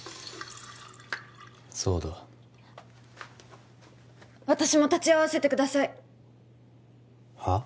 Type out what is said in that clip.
そうだ私も立ち会わせてくださいはあ？